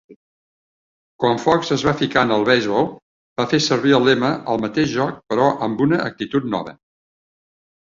Quan Fox es va ficar en el beisbol, va fer servir el lema "El mateix joc, però amb una actitud nova".